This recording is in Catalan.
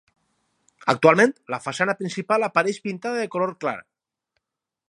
Actualment la façana principal apareix pintada de color clar.